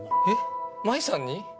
えっ真衣さんに？